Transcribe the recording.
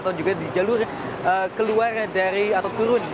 atau juga di jalur keluar dari atau turun